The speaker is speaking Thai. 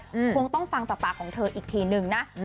คงต้องฟังจากปากของเธออีกทีนึงนะอืม